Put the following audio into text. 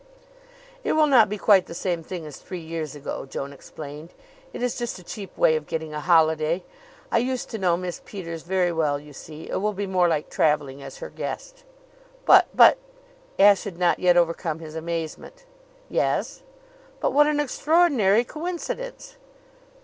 "It will not be quite the same thing as three years ago," Joan explained. "It is just a cheap way of getting a holiday. I used to know Miss Peters very well, you see. It will be more like traveling as her guest." "But but " Ashe had not yet overcome his amazement. "Yes?" "But what an extraordinary coincidence!"